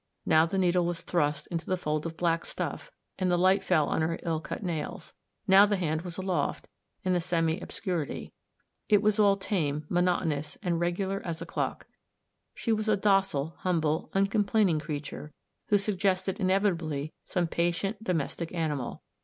Now the needle was thrust in the folded black stuff, and the light fell on her ill cut nails ; now the hand was aloft, in the semi obscurity ; it was all tame, monoto nous, and regular as a clock She was a docile, humble, uncomplaining creature, who suggested inevitably some patient domestic animal.